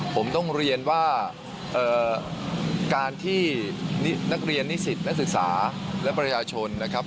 ผมต้องเรียนว่าการที่นักเรียนนิสิตนักศึกษาและประชาชนนะครับ